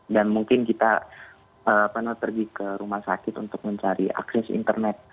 dan mungkin kita pernah pergi ke rumah sakit untuk mencari akses internet